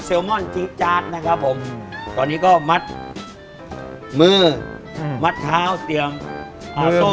ลมอนจี๊จาร์ดนะครับผมตอนนี้ก็มัดมือมัดเท้าเตียงอ่าโซ่